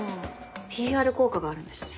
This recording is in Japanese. ＰＲ効果があるんですね。